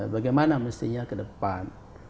bagaimana mestinya ke depan